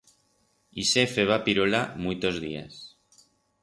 Ixe feba pirola muitos días.